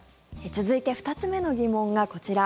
続いて２つ目の疑問がこちら。